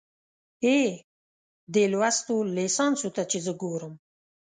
اې، دې لوستو ليسانسو ته چې زه ګورم